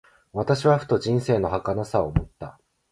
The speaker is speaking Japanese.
私はふと、人生の儚さを思った。